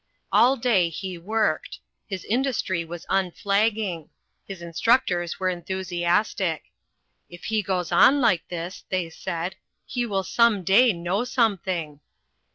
All day he worked. His industry was unflagging. His instructors were enthusiastic. "If he goes on like this," they said, "he will some day know something."